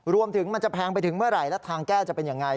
มันจะแพงไปถึงเมื่อไหร่และทางแก้จะเป็นยังไง